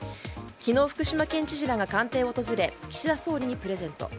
昨日、福島県知事らが官邸を訪れ岸田総理にプレゼント。